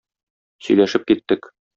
Сөйләшеп киттек.